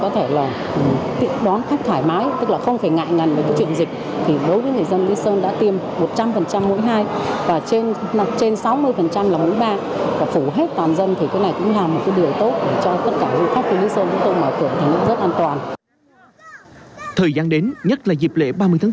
thời gian đến nhất là dịp lễ ba mươi tháng bốn